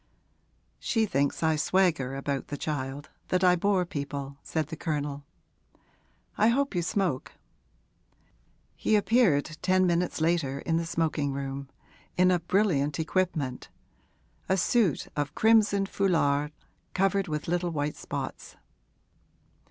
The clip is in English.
'She thinks I swagger about the child that I bore people,' said the Colonel. 'I hope you smoke.' He appeared ten minutes later in the smoking room, in a brilliant equipment, a suit of crimson foulard covered with little white spots.